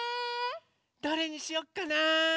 どれにしよっかな？